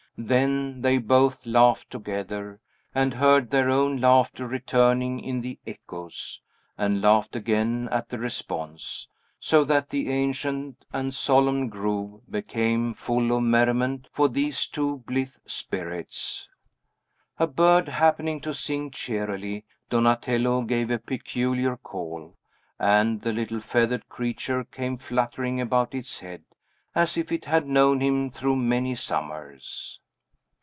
Then they both laughed together, and heard their own laughter returning in the echoes, and laughed again at the response, so that the ancient and solemn grove became full of merriment for these two blithe spirits. A bird happening to sing cheerily, Donatello gave a peculiar call, and the little feathered creature came fluttering about his head, as if it had known him through many summers.